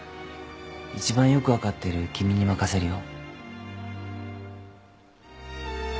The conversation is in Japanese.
いちばんよく分かっている君に任せるよ。